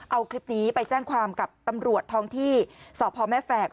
เอาคลิปนี้ไปแจ้งความกับตำรวจท้องที่สพแม่แฝก